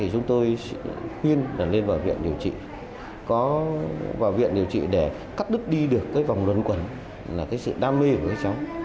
cháu đã khuyên là lên vào viện điều trị vào viện điều trị để cắt đứt đi được cái vòng luân quẩn là cái sự đam mê của cháu